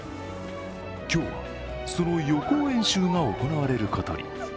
今日はその予行演習が行われることに。